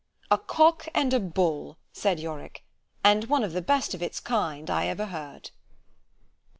—— A COCK and a BULL, said Yorick——And one of the best of its kind, I ever heard.